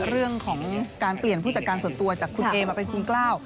เรื่องของการเปลี่ยนผู้จัดการส่วนตัวจากคุณเอมาเป็นคุณกล้าว